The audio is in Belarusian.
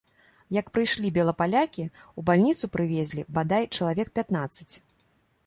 Як прыйшлі белапалякі, у бальніцу прывезлі, бадай, чалавек пятнаццаць.